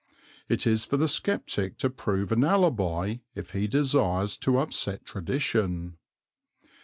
It is for the sceptic to prove an alibi if he desires to upset tradition.